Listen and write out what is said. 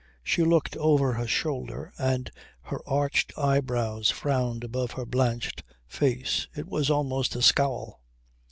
She looked over her shoulder and her arched eyebrows frowned above her blanched face. It was almost a scowl.